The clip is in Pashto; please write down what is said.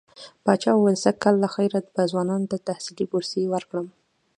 پاچا وويل سږ کال له خيره به ځوانانو ته تحصيلي بورسيې ورکړم.